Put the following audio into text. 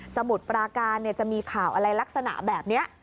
มุดปราการจะมีข่าวอะไรลักษณะแบบนี้